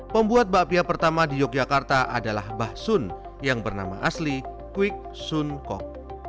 pembuat bakpia pertama di yogyakarta adalah bah sun yang bernama asli kwik sun kok